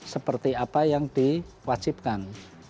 seperti apa yang diwajibkan